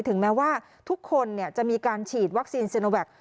ถึงแม้ว่าทุกคนจะมีการฉีดวัคซีนซีโนแวค